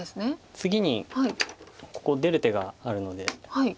次にここ出る手があるので。